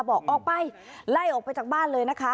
บอกออกไปไล่ออกไปจากบ้านเลยนะคะ